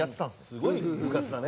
すごい部活だね。